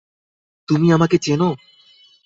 তুমি আমাকে চেন?